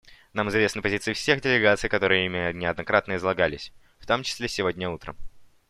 Нам известны позиции всех делегаций, которые ими неоднократно излагались, в том числе сегодня утром.